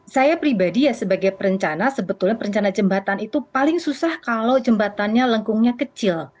saya pribadi ya sebagai perencana sebetulnya perencana jembatan itu paling susah kalau jembatannya lengkungnya kecil